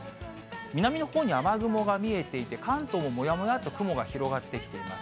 南のほうに雨雲が見えていて、関東ももやもやっと雲が広がってきています。